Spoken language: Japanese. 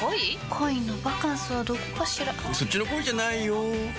恋のバカンスはどこかしらそっちの恋じゃないよ